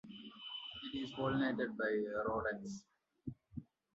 It is pollinated by rodents.